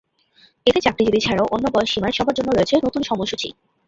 এতে চাকরিজীবী ছাড়াও অন্য বয়স সীমার সবার জন্য রয়েছে নতুন সময়সূচি।